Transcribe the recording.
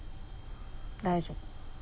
大丈夫。